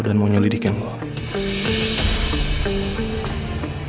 dan mau nyelidikin gue